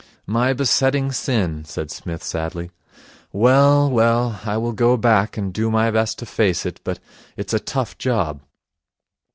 'My besetting sin,' said Psmith sadly. 'Well, well, I will go back and do my best to face it, but it's a tough job.'